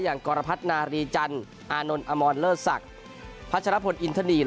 อย่างกรพรรณรีจันทร์อานนทร์อมรเลอร์ศักดิ์พระชนพลอินทนีร์